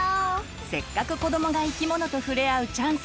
せっかく子どもが生き物と触れ合うチャンス